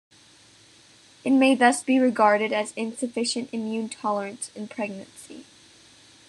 It may thus be regarded as insufficient immune tolerance in pregnancy.